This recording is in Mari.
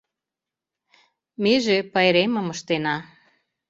Меже пайремым ыштена.